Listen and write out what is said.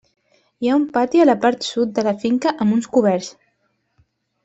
Hi ha un pati a la part sud de la finca amb uns coberts.